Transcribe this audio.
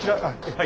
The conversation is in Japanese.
はい。